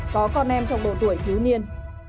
có con em trong độ tuổi thiếu niên